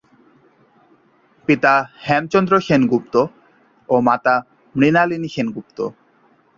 পিতা হেমচন্দ্র সেনগুপ্ত ও মাতা মৃণালিনী সেনগুপ্ত।